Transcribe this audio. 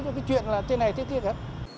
cái chuyện là thế này thế kia